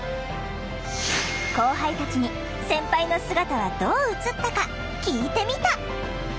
後輩たちに先輩の姿はどう映ったか聞いてみた！